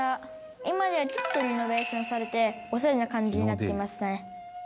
「今ではちょっとリノベーションされてオシャレな感じになってますね」